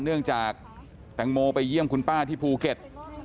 เนื่องจากแตงโมไปเยี่ยมคุณป้าที่ภูเก็ต